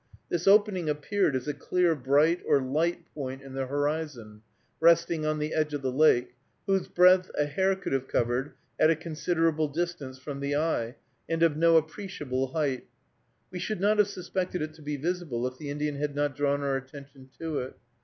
This opening appeared as a clear bright, or light, point in the horizon, resting on the edge of the lake, whose breadth a hair could have covered at a considerable distance from the eye, and of no appreciable height. We should not have suspected it to be visible if the Indian had not drawn our attention to it.